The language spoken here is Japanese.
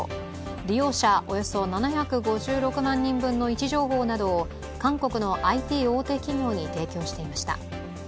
利用者およそ７５６万人分の位置情報などを韓国のＩＴ大手企業に提供していました。